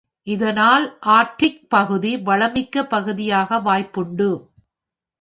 இதனால், ஆர்க்டிக் பகுதி வளமிக்க பகுதியாக வாய்ப்புண்டு.